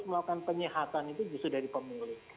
melakukan penyihatan itu justru dari pemuli